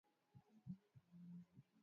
ruhusu kuondoka unafikiri kwamba